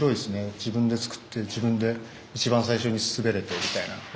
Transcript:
自分で作って自分で一番最初に滑れてみたいな。